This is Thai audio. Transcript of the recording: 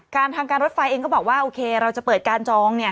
การทำการรถไฟเองก็บอกว่าโอเคเราจะเปิดการจองเนี่ย